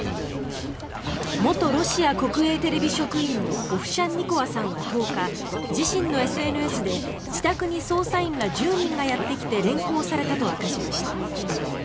元ロシア国営テレビ職員のオフシャンニコワさんは１０日自身のＳＮＳで自宅に捜査員ら１０人がやってきて連行されたと明かしました。